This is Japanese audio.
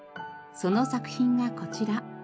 その作品がこちら。